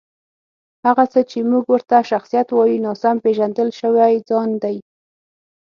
هغه څه چې موږ ورته شخصیت وایو، ناسم پېژندل شوی ځان دی.